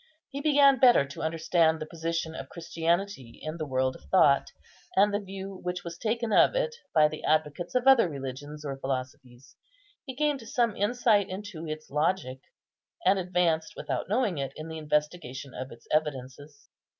He began better to understand the position of Christianity in the world of thought, and the view which was taken of it by the advocates of other religions or philosophies. He gained some insight into its logic, and advanced, without knowing it, in the investigation of its evidences.